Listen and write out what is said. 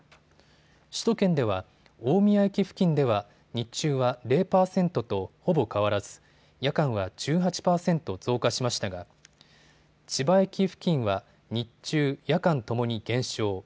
首都圏では大宮駅付近では日中は０％とほぼ変わらず、夜間は１８％増加しましたが千葉駅付近は日中・夜間ともに減少。